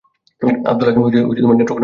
আব্দুল হাকিম নেত্রকোণায় জন্মগ্রহণ করেন।